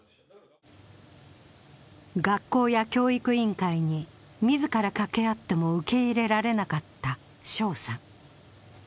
学校や教育委員会に自らかけ合っても受け入れられなかった翔さん。